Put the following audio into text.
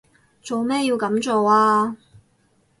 做咩要噉做啊？